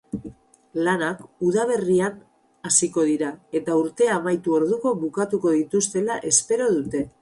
Lanak udaberria hasiko dira eta urtea amaitu orduko bukatuko dituztela espero dute.